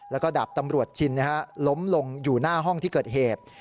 แล้วก็ดาบตำรวจชินล้มลงอยู่หน้าห้องที่เกิดเหตุ